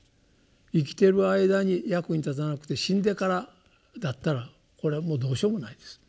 生きてる間に役に立たなくて死んでからだったらこれはもうどうしようもないです。